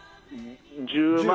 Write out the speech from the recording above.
１０万